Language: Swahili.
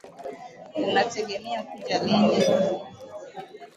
Unategemea kuja lini?